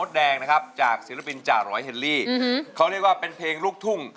เพลงนี้นะครับก็เป็นเพลงลูกทุ่ง